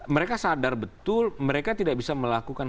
mereka sadar betul mereka tidak bisa melakukan